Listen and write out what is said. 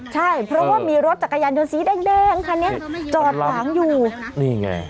ใช่เพราะว่ามีรถจักรยานยนต์สีแดงแดงคันนี้จอดขวางอยู่นี่ไง